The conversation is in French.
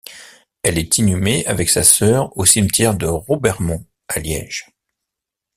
Elle est inhumée avec sa sœur au Cimetière de Robermont à Liège.